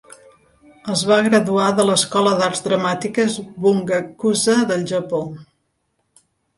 Es va graduar de l'Escola d'arts dramàtiques Bungakuza del Japó.